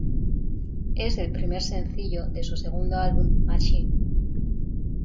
Es el primer sencillo de su segundo álbum, Machine.